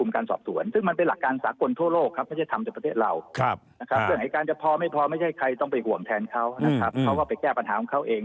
เขาก็ไปแก้ปัญหาของเขาเอง